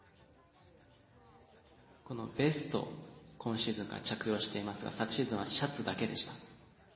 このベスト今シーズンから着用していますが昨シーズンはシャツだけでした。